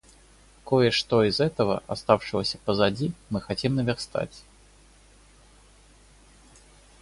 Кое-что из этого оставшегося позади мы хотим наверстать.